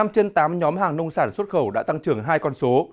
năm trên tám nhóm hàng nông sản xuất khẩu đã tăng trưởng hai con số